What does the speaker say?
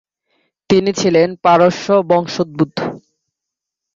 তিনি ছিলেন পারস্য বংশোদ্ভূত।